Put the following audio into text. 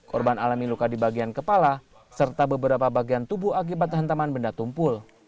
korban alami luka di bagian kepala serta beberapa bagian tubuh akibat hantaman benda tumpul